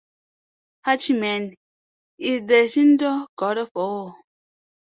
"Hachiman" is the Shinto god of war.